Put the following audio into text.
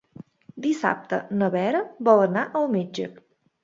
Dissabte na Vera vol anar al metge.